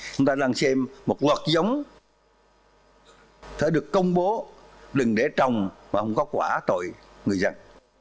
chúng ta đang xem một loạt giống đã được công bố đừng để trồng và không có quả tội người dân